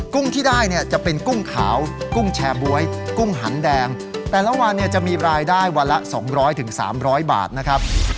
กุ้งที่ได้เนี่ยจะเป็นกุ้งขาวกุ้งแชร์บ๊วยกุ้งหันแดงแต่ละวันเนี่ยจะมีรายได้วันละ๒๐๐๓๐๐บาทนะครับ